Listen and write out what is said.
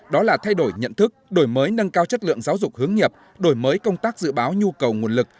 đó là thay đổi nhận thức đổi mới nâng cao chất lượng giáo dục hướng nghiệp đổi mới công tác dự báo nhu cầu nguồn lực